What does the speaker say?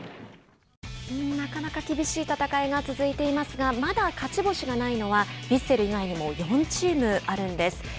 なかなか厳しい戦いが続いていますがまだ勝ち星がないのはヴィッセル以外にも４チームあるんです。